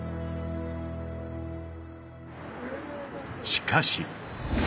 しかし。